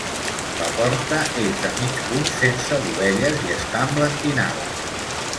La porta és de mig punt sense dovelles i està emblanquinada.